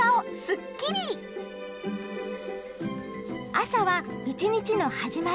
朝は一日の始まり。